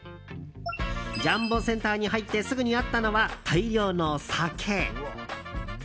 ジャンボセンターに入ってすぐにあったのは大量の酒。